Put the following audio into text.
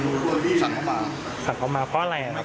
ก็มีคนสั่งเขามาสั่งเขามาเพราะอะไร